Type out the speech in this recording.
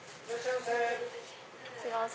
いらっしゃいませ。